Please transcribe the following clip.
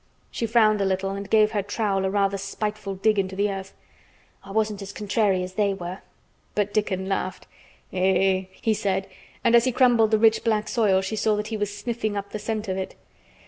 She frowned a little and gave her trowel a rather spiteful dig into the earth. "I wasn't as contrary as they were." But Dickon laughed. "Eh!" he said, and as he crumbled the rich black soil she saw he was sniffing up the scent of it.